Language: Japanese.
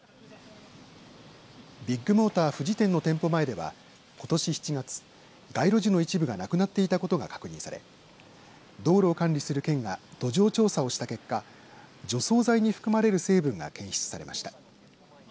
ビッグモーター富士店の店舗前ではことし７月街路樹の一部がなくなっていたことが確認され道路を管理する県が土壌調査をした結果除草剤に含まれる成分が検出されました。